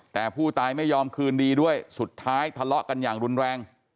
แต่ผู้ตายไม่ยอมคืนดีด้วยสุดท้ายทะเลาะกันอย่างรุนแรง